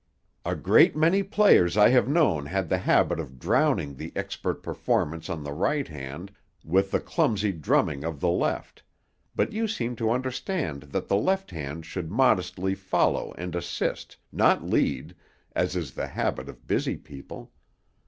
"A great many players I have known had the habit of drowning the expert performance of the right hand with the clumsy drumming of the left; but you seem to understand that the left hand should modestly follow and assist, not lead, as is the habit of busy people.